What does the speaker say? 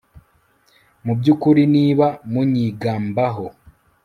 mu by'ukuri, niba munyigambaho